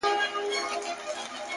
o بيا تس ته سپكاوى كوي بدرنگه ككــرۍ ـ